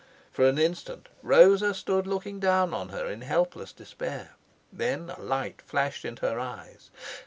For an instant Rosa stood looking down on her in helpless despair. Then a light flashed into her eyes.